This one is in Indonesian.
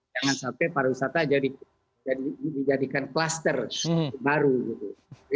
jangan sampai pariwisata jadi dijadikan kluster baru gitu